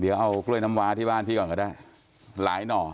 เดี๋ยวเอากล้วยน้ำวาที่บ้านพี่ก่อนก็ได้หลายหน่อ